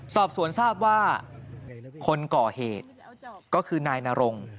สอบสวนทราบว่าคนก่อเหตุก็คือนายนรง